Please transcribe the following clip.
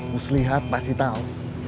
bos lihat pasti tahu